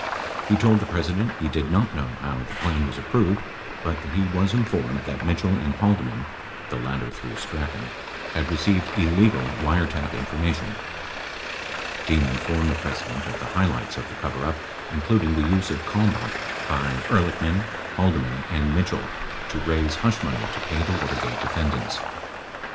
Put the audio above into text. He told the President he did not know how the plan was approved but that he was informed that Mitchell and Halde man (the latter through Strachan) had received illegal wiretap infor mation. 53 Dean informed the President of the highlights of the coverup, including the use of Kalmbach by Ehrlichman, Haldeman, and Mitchell to raise hush money to pay the Watergate defendants.